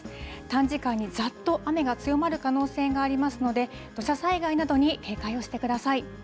短時間にざっと雨が強まる可能性がありますので、土砂災害などに警戒をしてください。